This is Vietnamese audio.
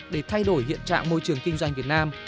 để thay đổi hiện trạng môi trường kinh doanh việt nam